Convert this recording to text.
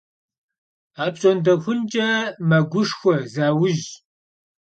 Apş'ondexunç'e meguşşxue, zauj.